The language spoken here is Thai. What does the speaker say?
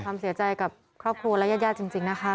ความเสียใจกับครอบครัวและญาติจริงนะคะ